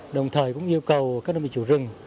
đồng thời cũng yêu cầu các đơn vị chủ rừng